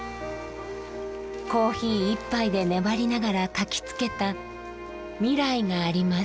コーヒー１杯で粘りながら書きつけた未来があります。